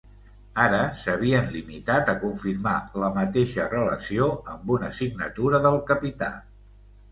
Ara s'havien limitat a confirmar la mateixa relació amb una signatura del capità.